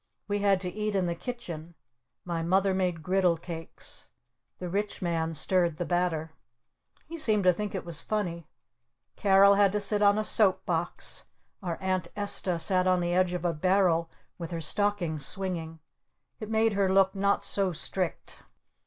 We had to eat in the kitchen. My Mother made griddle cakes. The Rich Man stirred the batter. He seemed to think it was funny. Carol had to sit on a soap box. Our Aunt Esta sat on the edge of a barrel with her stockings swinging. It made her look not so strict.